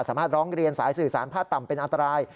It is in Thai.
ร้องเรียนสายสื่อสารพัดต่ำเป็นอันตราย